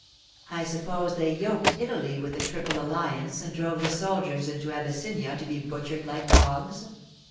I suppose they yoked Italy with the Triple Alliance and drove the soldiers into Abyssinia to be butchered like hogs.